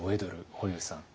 堀口さん。